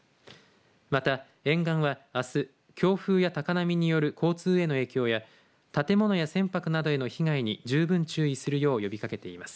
また沿岸は、あす強風や高波による交通への影響や建物や船舶などへの被害に十分注意するよう呼びかけています。